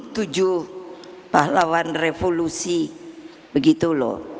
tujuh pahlawan revolusi begitu loh